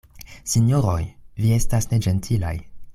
Sinjoroj, vi estas neĝentilaj.